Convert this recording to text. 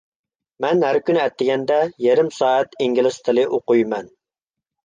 مەن ھەر كۈنى ئەتىگەندە يېرىم سائەت ئىنگلىز تىلى ئوقۇيمەن.